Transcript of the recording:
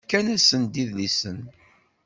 Fkan-asen-d idlisen.